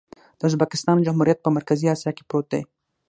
د ازبکستان جمهوریت په مرکزي اسیا کې پروت دی.